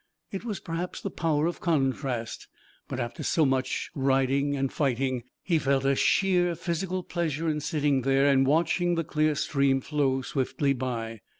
It was perhaps the power of contrast, but after so much riding and fighting he felt a sheer physical pleasure in sitting there and watching the clear stream flow swiftly by.